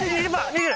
２０！